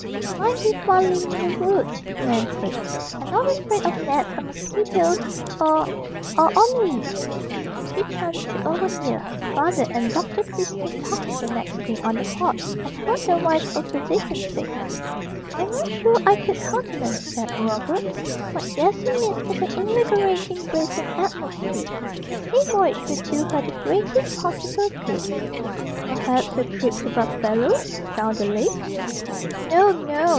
"It might be fun living in the woods," Nan said. "I'm not afraid of gnats, or mosquitoes, or, or on wees!" She chanced to overhear her father and Dr. Christian talking the next day on the porch, and heard the wise old physician say: "I'm not sure I could countenance that, Robert. What Jessie needs is an invigorating, bracing atmosphere. A sea voyage would do her the greatest possible good." "Perhaps a trip to Buffalo, down the lakes?" "No, no!